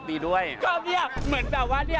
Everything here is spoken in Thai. ถ้าไม่พูดก็จะไม่เปิดช่องให้ไปไหนเลย